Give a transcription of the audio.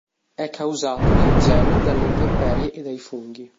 È causata dal gelo, dalle intemperie e dai funghi.